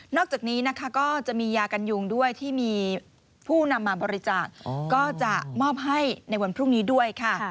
นอกจากนี้ก็จะมียากันยุงที่ผู้นำมาบริจาคจะมอบให้ในวันพรุ่งนี้ด้วย